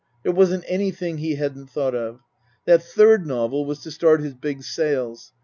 There wasn't anything he hadn't thought of. That third novel was to start his big sales.